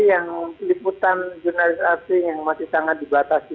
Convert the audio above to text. yang liputan jurnalis asing yang masih sangat dibatasi